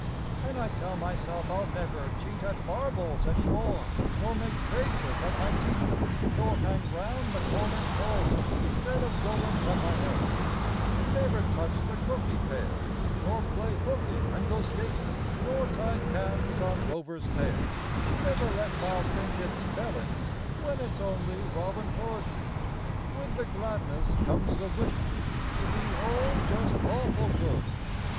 An' I tell myself I'll never Cheat at marbles any more, Nor make faces at my teacher, Nor hang round the corner store 'Stead of goin' on my errands; Never touch the cookie pail, Nor play hooky an' go skatin', Nor tie cans on Rover's tail; Never let ma think it's spellings When it's only Robin Hood. With the gladness comes the wishin' To be, oh, just awful good!